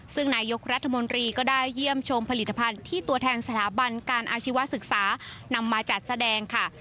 ซึ่งนายกรัฐมนตรีก็ได้เยี่ยมชมผลิตภัณฑ์ที่ตัวแทนสถาบันการอาชีวศึกษานำมาจัดแสดงค่ะ